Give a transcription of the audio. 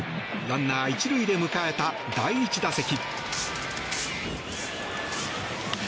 ランナー１塁で迎えた第１打席。